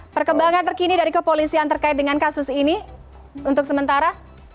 perkembangan terkini dari kepolisian terkait dengan kasus ini untuk sementara